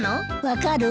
分かる？